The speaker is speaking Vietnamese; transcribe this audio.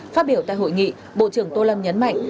phát biểu tại hội nghị bộ trưởng tô lâm nhấn mạnh